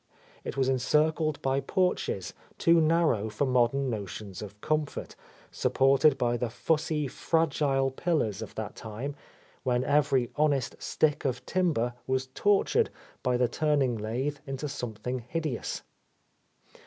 It was encircled by porches, too narrow for modern notions of comfort, supported by the fussy, fragile pillars of that time, when every honest stick of timber was tortured by the turning lathe Into something hideous.